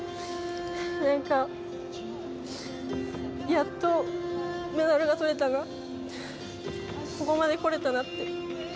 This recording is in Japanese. なんか、やっとメダルがとれたなと、ここまでこれたなって。